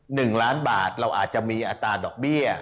หนึ่งล้านบาทเราอาจจะมีอัตราดอกเบี้ย